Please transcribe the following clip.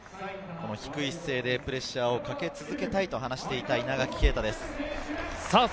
低い姿勢でプレッシャーをかけ続けたいと話していた稲垣啓太です。